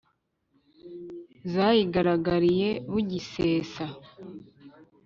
Zayigaragariye bugisesa;